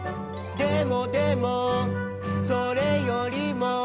「でもでもそれよりも」